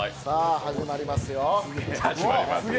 始まりますよ。